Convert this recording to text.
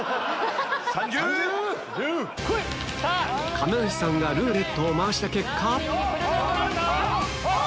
亀梨さんがルーレットを回した結果あっ！